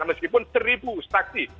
meskipun seribu saksi